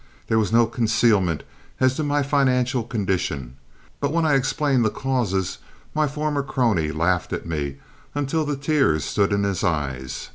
There was no concealment as to my financial condition, but when I explained the causes my former crony laughed at me until the tears stood in his eyes.